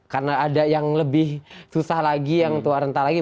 karena ada yang lebih susah lagi yang tua rentah lagi